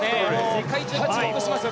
世界中が注目してますよ